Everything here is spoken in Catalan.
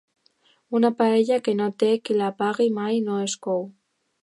Una paella que no té qui la pagui mai no es cou.